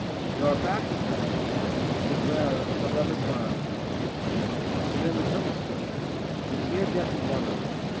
" You are back," he cried. " It is well, but the rum is gone." And then the colonel spoke. He was near death and wandering.